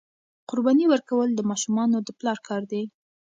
قرباني ورکول د ماشومانو د پلار کار دی.